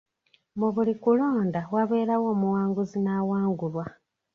Mu buli kulonda wabaawo omuwanguzi n'awangulwa.